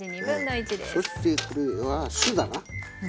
そしてこれは酢だな。